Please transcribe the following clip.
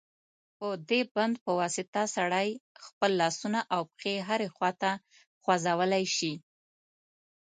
په دې بند په واسطه سړی خپل لاسونه او پښې هرې خواته خوځولای شي.